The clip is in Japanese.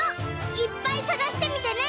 いっぱいさがしてみてね！